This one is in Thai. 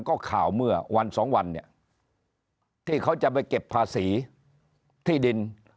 ก็ข่าวเมื่อวันสองวันเนี่ยที่เขาจะไปเก็บภาษีที่ดิน